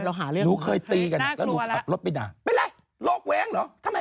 เป็นสาวเป็นนางพูดไส้กอกเยอรมัน